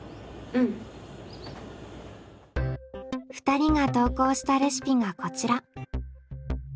２人が投稿したレシピがこちら。